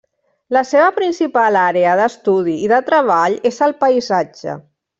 La seva principal àrea d'estudi i de treball és el paisatge.